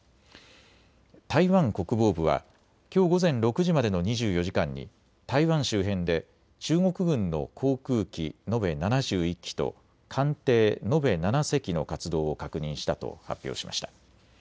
台湾国防部はきょう午前６時までの２４時間に台湾周辺で中国軍の航空機、延べ７１機と艦艇延べ７隻の活動を確認したと発表しました。